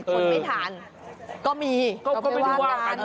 คนไม่ทานก็มีก็ไม่ได้ว่ากัน